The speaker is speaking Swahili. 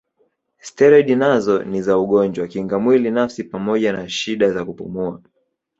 Steroidi nazo ni za ugonjwa kinga mwili nafsi pamoja na shida za kupumua.